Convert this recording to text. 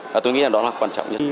và tôi nghĩ là đó là quan trọng nhất